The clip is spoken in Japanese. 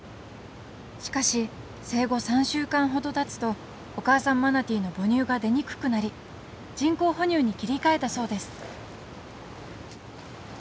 しかし生後３週間ほどたつとお母さんマナティーの母乳が出にくくなり人工哺乳に切り替えたそうです